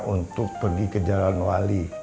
untuk pergi ke jalan wali